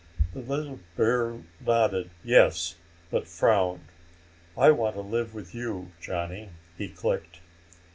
The little bear nodded yes, but frowned. "I want to live with you, Johnny," he clicked.